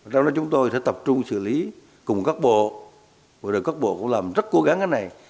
sau đó chúng tôi sẽ tập trung xử lý cùng các bộ và các bộ cũng làm rất cố gắng cái này